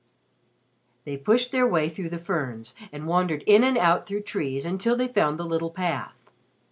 They pushed their way through the ferns and wandered in and out through trees until they found the little path.